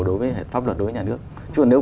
đối với pháp luật đối với nhà nước chứ còn nếu